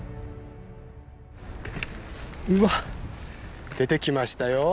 うわっ出てきましたよ。